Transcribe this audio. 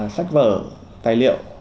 sách vở tài liệu